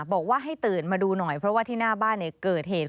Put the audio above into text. บอกว่าให้ตื่นมาดูหน่อยเพราะว่าที่หน้าบ้านเกิดเหตุ